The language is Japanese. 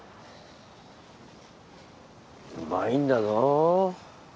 うまいんだぞ。